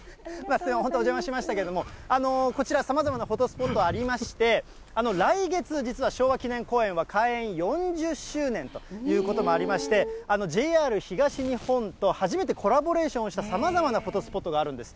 本当、お邪魔しましたけれども、こちら、さまざまなフォトスポットありまして、来月、実は昭和記念公園は、開園４０周年ということもありまして、ＪＲ東日本と初めてコラボレーションをしたさまざまなフォトスポットがあるんです。